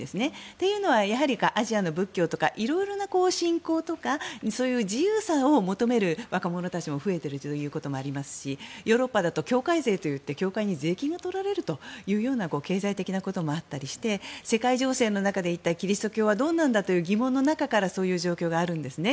というのは、アジアの仏教とか色々な信仰とかそういう自由さを求める若者たちも増えているということもありますしヨーロッパだと教会税といって教会に税金が取られるというような経済的なこともあったりして世界情勢の中でキリスト教はどうなるんだという疑問の中からそういう状況があるんですね。